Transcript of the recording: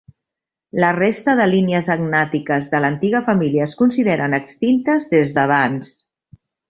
La resta de línies agnàtiques de l'antiga família es consideren extintes des d'abans.